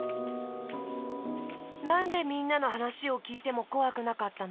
なんでみんなのはなしをきいてもこわくなかったの？